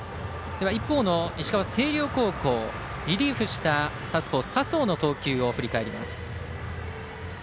石川・星稜リリーフしたサウスポー佐宗の投球を振り返ります。